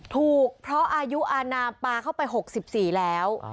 ถูกเพราะอายุอานามปลาเข้าไป๖๔แล้ว